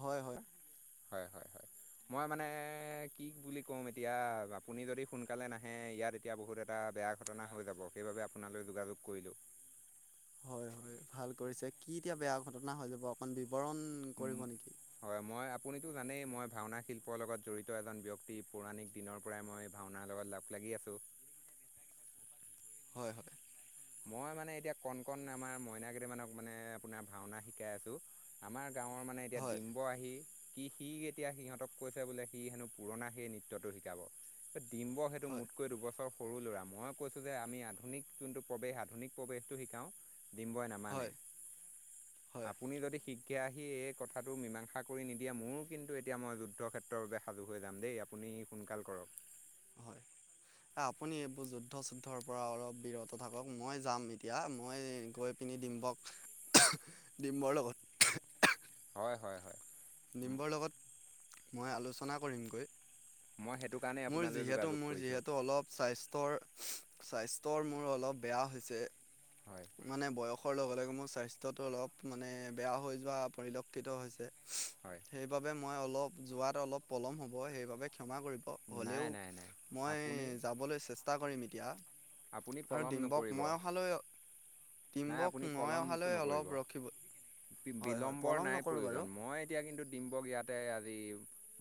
হয়-হয়। হয়-হয়-হয় [unintelligible] মই মানে কি বুলি কম এতিয়া আপুনি যদি সোনকালে নাহে ইয়াত এতিয়া বহুত এটা বেয়া ঘটনা হৈ যাব, সেইবাবে আপোনালৈ যোগাযোগ কৰিলোঁ। [inaudible] হয়-হয় ভাল কৰিছে। কি এতিয়া বেয়া ঘটনা হৈ যাব অকন বিৱৰণ কৰিব নেকি? হয় মই আপুনিতো জানেই মই ভাওনা শিল্পৰ লগত জড়িত এজন ব্যক্তি পৌৰাণিক [inaudible] দিনৰ পৰাই মই ভাওনাৰ লগত লগ লাগি আছোঁ। হয়-হয়। মই মানে এতিয়া কণ-কণ আমাৰ মইনাকেইটামানক মানে আপোনাৰ ভাওনা শিকাই আছোঁ। আমাৰ গাঁৱৰ মানে এতিয়া হয় ডিম্ব আহি সি-সি এতিয়া সিহঁতক কৈছে বোলে সি হেনো পুৰণা সেই নৃত্যটো সি [unintelligible] শিকাব। ডিম্ব সেইটো হয় মোতকৈ দুবছৰ সৰু ল'ৰা মই কৈছো যে আমি আধুনিক যোনটো [inaudible] প্ৰৱেশ আধুনিক প্ৰৱেশটো শিকাও ডিম্বই নামানে [unintelligible] [unintelligible] আপুনি যদি শীঘ্ৰে আহি এই কথাটো মীমাংসা কৰি নিদিয়ে, মোৰো কিন্তু এতিয়া মই যুদ্ধৰ ক্ষেত্ৰত [unintelligible] যুদ্ধৰ বাবে সাজু হৈ যাম দেই। আপুনি সোনকাল কৰক [unintelligible] এ আপুনি এইবোৰ যুদ্ধ-চুদ্ধৰ পৰা অলপ বিৰত থাকক। মই যাম এতিয়া মই গৈ [inaudible] কিনি ডিম্বক [unintelligible] ডিম্বৰ লগত [inaudible] [unintelligible] হয়', - হয়', - হয়', নিম্বৰ লগত', মই আলোচনা কৰিম গৈ', মই সেইটো কাৰণেই মোৰ আপোনালৈ যিহেতু, যোগাযোগ মোৰ কৰিছোঁ যিহেতু অলপ স্বাস্থ্যৰ', স্বাস্থ্যৰ মোৰ অলপ বেয়া হৈছে, হয় মানে বয়স', বয়সৰ লগে - লগে মোৰ স্বাস্থ্যতো অলপ মানে বেয়া হৈ যোৱা পৰিলক্ষিত হৈছে', হয়। সেইবাবে মই অলপ যোৱাত অলপ পলম হ'ব সেইবাবে ক্ষমা কৰিব', অ', নাই হ'লেও, নাই নাই মই আপুনি যাবলৈ চেষ্টা কৰিম এতিয়া', আপুনি আৰু পলম ডিম্বক নকৰিব মই অহালৈ অ', নাই টিম্বক আপুনি মই পলম অহালৈ নকৰিব অলপ ৰখিব, হয়', - হয়', বিলম্বৰ পলম নাই নকৰোঁ বাৰু', প্ৰয়োজন মই এতিয়া কিন্তু ডিম্বক ইয়াতে আজি,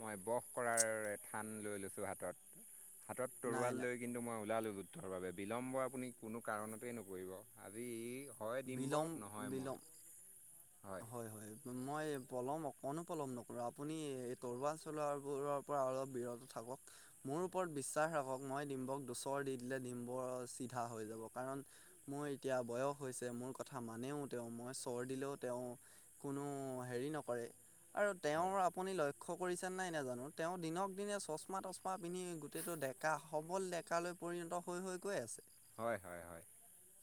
মই বস কৰাৰ থান লৈ লৈছোঁ হাতত', হাতত নাই তৰোৱাল নাই লৈ কিন্তু মই ওলালোঁ যুদ্ধৰ বাবে', বিলম্ব আপুনি কোনো কাৰণতেই নকৰিব আজি ই হয় বিলম ডিম্বৰ নহয় বিলম মই', হয়', হয়', - হয়', মই পলম অকণো পলম নকৰোঁ আপুনি এই তৰোৱাল চলাবোৰৰ', পৰা অলপ বিৰত থাকক', মোৰ ওপৰত বিশ্বাস ৰাখক, মই ডিম্বক দুচৰ দি দিলে ডিম্বৰ চিধা হৈ যাব কাৰণ', মোৰ এতিয়া বয়স হৈছে, মোৰ কথা মানেও তেওঁ মই চৰ দিলেও', তেওঁ, কোনো হেৰি নকৰে, আৰু তেওঁ হয় আপুনি লক্ষ্য কৰিছে', দেখিছা নাই নে জানোঁ, তেওঁ দিনক - দিনে চচমা - তচমা পিন্ধি গোটেইটো ডেকা সবল ডেকা লৈ', পৰিণত হৈ', -হৈ', - গৈ', আছে', হয়', - হয়', - হয়',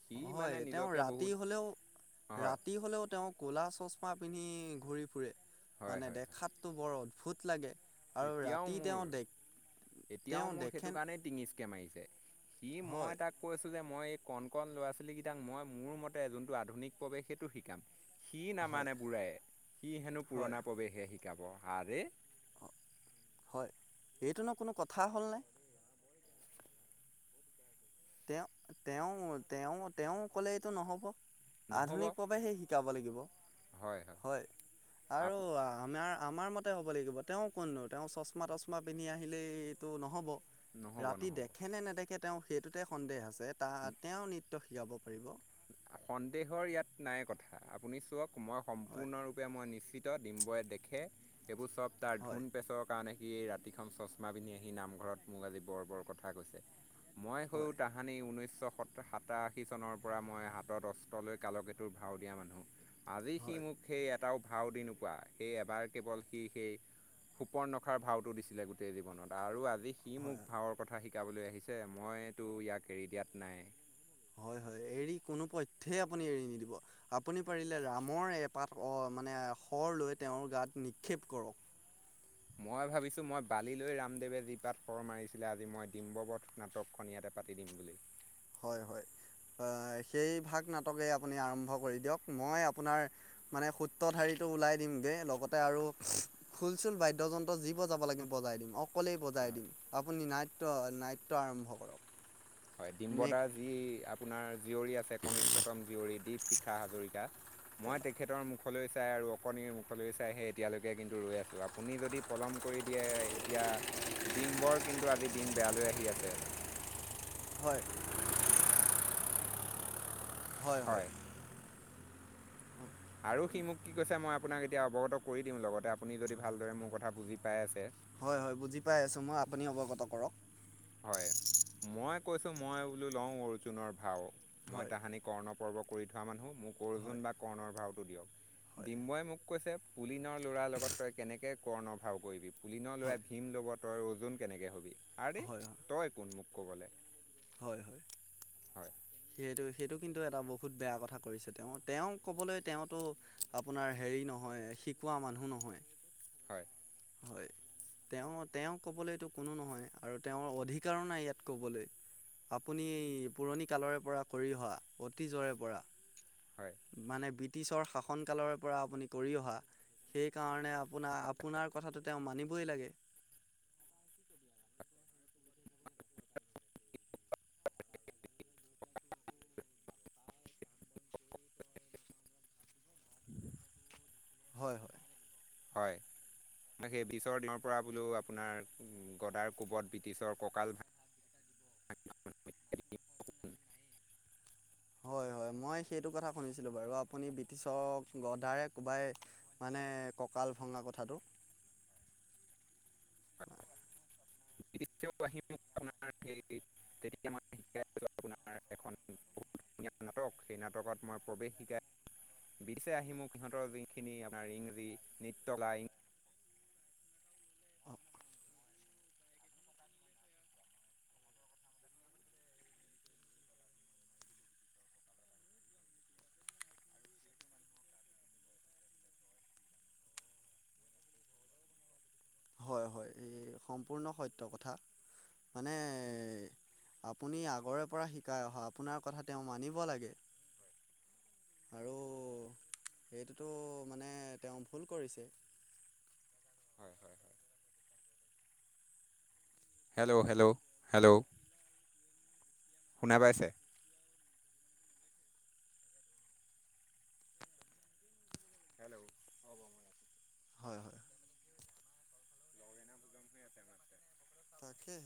সি মানে হয় তেওঁ নিজকে ৰাতি বহুত হলেও, হয় ৰাতি হলেও তেওঁক', ক'লা চচমা পিন্ধি ঘূৰি ফুৰে, হয় মানে হয় হয় দেখাতটো বৰ অদ্ভুত লাগে', আৰু এতিয়াও ৰাতি মোৰ, তেওঁ দে এতিয়াও তেওঁ মোৰ সেইটো দেখেন কাৰণেই', টিঙিচকে মাৰিছে, সি হয় মই তাক কৈছোঁ যে মই', কণ - কণ ল'ৰা - ছোৱালীকেইটাক মই মোৰ মতে যোনটো আধুনিক প্ৰৱেশ সেইটো শিক', শিকাম, সি হয় নামানে বুঢ়ায়ে, সি হেনো হয় পুৰণা প্ৰৱেশহে শিকাব আৰে', হয়, এইটোনো কোনো কথা হ'ল নে', তেওঁ', - তেওঁ', - তেওঁ', - তেওঁ', ক'লে এইটো নহ'ব', নহ'ব আধুনিক প্ৰৱেশহে শিকাব লাগিব, হয়, আৰু আপো আমাৰ', আমাৰ মতে হ'ব লাগিব, তেওঁ কোননো তেওঁ চচমা - তচমা পিন্ধি আহিলেইটো নহ'ব', নহ'ব ৰাতি নহ'ব দেখে নে নেদেখে তেওঁ সেইটোতে সন্দেহ আছে, তাত তেওঁ নি', ত শিকাব পাৰিব? অ', সন্দেহৰ ইয়াত নাই কথা আপুনি চোৱাক', মই হয় সম্পূৰ্ণৰূপে মই নিশ্চিত ডিম্বই দেখে, সেইবোৰ চব', তাৰ হয় ধোন পেছৰ কাৰণে সি ৰাতিখন চচমা পিন্ধি আহি নামঘৰত মোক আজি বৰ - বৰ কথা কৈছে', মই হও হয় তাহানি ঊনৈছশ সোতো', - সাতাশী চনৰ', পৰা মই হাতত অস্ত্ৰ লৈ কালকেটোৰ ভাও দিয়া মানুহ', আজি সি হয় মোক সেই এটাও ভাও দি নোপোৱা, সেই এবাৰ কেৱল সি সেই', শূৰ্পনখাৰ ভাওটো দিছিলে গোটেই জীৱনত আৰু আজি সি হয় মোক ভাৱৰ কথা শিকাবলৈ আহিছে মই', কিন্তু ইয়াক এৰি দিয়াত নাই', হয়', - হয়', এৰি, কোনো পথ্যয় আপুনি এৰি নিদিব', আপুনি পাৰিলে ৰামৰ এপাত অ', মানে শৰ লৈ তেওঁৰ গাত নিক্ষেপ কৰক', মই ভাবিছোঁ মই বালিলৈ ৰামদেৱে জিপাত শৰ মাৰিছিলে আজি মই ডিম্ববধ', নাটকখন ইয়াতে পাতি দিম বুলি। হয় হয়, এৱ সেই ভাগ নাটকেই আপুনি আৰম্ভ কৰি দিয়ক মই আপোনাৰ মানে সূত্ৰ ধাৰিটো ওলাই দিম দে লগতে আৰু খুল চুল বাদ্যযন্ত্ৰ যি বজাব লাগে বজাই দিম। অৱ অকলেই হয় বজাই দিম আপুনি নাট্য নাট্য আৰম্ভ কৰক। হয় মেক ডিম্বতাৰ যি আপোনাৰ জীয়ৰী আছে কনিষ্ঠতম জীয়ৰী দীপ শিখা হাজৰিকা। মই পেলা তেখেতৰ মুখ মুখলৈ চাই আৰু অকণিৰ মুখলৈ চাই সেই এতিয়ালৈকে কিন্তু ৰৈ আছোঁ আপুনি যদি পলম কৰি দিয়ে এতিয়া ডিম্বৰ কিন্তু আজি দিন বেয়ালৈ আহি আছে। হয়। [unintelligible] হয় হয়। আৰু সি মোক কি কৈছে মই আপোনাক এতিয়া অৱগত কৰি দিম লগতে আপুনি যদি ভালদৰে মোৰ কথা বুজি পাই আছে। হয় হয় বুজি পাই আছোঁ মই আপুনি অৱগত কৰক। হয়, মই কৈছোঁ মই বোলো লওঁ অৰ্জুনৰ ভাও। মই হয় তাহানিক কৰ্ণ পৰ্ব কৰি থোৱা মানুহ মোক অৰ্জুন হয় বা কৰ্ণৰ ভাওটো দিয়ক। হয় ডিম্বই মোক কৈছে পুলিনৰ ল'ৰাৰ লগত তই কেনেকে কৰ্ণৰ ভাও কৰিবি! পুলি হয় ল'ৰাই ভীম ল'ব তই অৰ্জুন কেনেকৈ হ'বি আৰে। হয় তই কোন মোক ক'বলে, হয় হয় হয়। সেইটো সেইটো কিন্তু এটা বহুত বেয়া কথা কৰিছে। তেওঁ তেওঁ ক'বলৈ তেওঁতো আপোনাৰ হেৰি নহয়, শিকোৱা মানুহ নহয়। হয়। হয়। তেওঁ তেওঁ ক'বলৈতটো কোনো নহয় আৰু তেওঁৰ অধিকাৰো নাই ইয়াত ক'বলৈ। আপুনি পুৰণি কালৰে পৰা কৰি অহা অতীজৰে পৰা। হয়। মানে ব্ৰিটিছৰ শাসন কালৰ পৰা আপুনি কৰি অহা সেইকাৰণে আপোনাৰ আপোনাক কথাটো তেওঁ মানিবই লাগে। [unintelligible] হয় হয়। হয়। সেই বিশৰ দিনৰ পৰা বোলো আপোনাৰ উম গদাৰ কোবত ব্ৰিটিছৰ ককাল ভা হয় হয় মই সেইটো কথা শুনিছিলোঁ বাৰু আপুনি ব্ৰিটিছক গডাৰে কোবাই মানে ককাল ভঙা কথাাতটো। [unintelligible] আপোনাৰ এখন বহুত ধুনীয়া নাটক সেই নাটকত মই প্ৰৱেশ শিকাই ব্ৰিটিছে আহি মোক সিহঁতৰ যোনখিনি আাৰ ইংৰাজী নিত্যলাইঙ হয় হয় এই সম্পূৰ্ণ সত্য কথা। মানে আপুনি আগৰে পৰা শিকাই অহা আপোনাৰ কথা তেওঁ মানিব লাগে। আৰু সেইটোতো মানে তেওঁ ভুল কৰিছে। হয় হয় হেল্ল' হেল্ল' হেল্ল' শুনা পাইছে? হেল্লো হ'ব, হয় হয়। তাকেহে।